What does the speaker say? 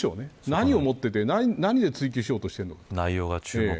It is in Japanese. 何を持っていて何で追及しようとしているのか。